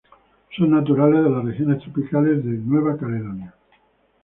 Son naturales de las regiones tropicales de Nueva Caledonia.